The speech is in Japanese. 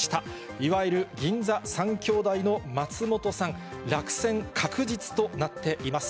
いわゆる銀座３兄弟の松本さん、落選確実となっています。